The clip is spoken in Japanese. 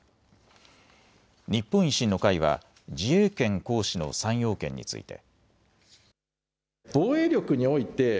日本維新の会は自衛権行使の３要件について。